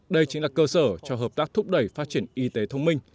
đây chính là cơ sở cho hợp tác thúc đẩy phát triển y tế thông minh